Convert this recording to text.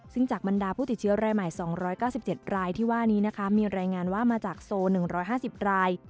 ซึ่งจากบรรดาผู้ติดเชื้อรายใหม่๒๙๗รายที่ว่านี้นะคะมีรายงานว่ามาจากโซ๑๕๐ราย